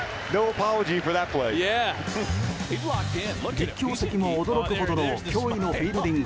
実況席も驚くほどの驚異のフィールディング。